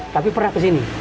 tapi pernah ke sini